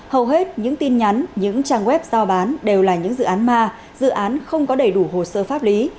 hầu hết những tin nhắn những trang web giao bán đều là những dự án ma dự án không có đầy đủ hồ sơ pháp lý